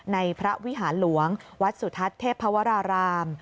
ในพระวิหารหลวงวัดสุทัศน์เทพวราราม